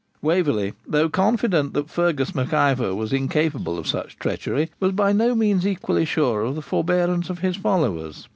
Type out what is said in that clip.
Waverley, though confident that Fergus Mac Ivor was incapable of such treachery, was by no means equally sure of the forbearance of his followers.